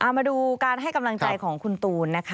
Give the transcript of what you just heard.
มาดูการให้กำลังใจของคุณตูนนะคะ